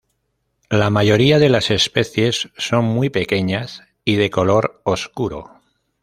La mayoría de las especies son muy pequeñas y de color oscuro.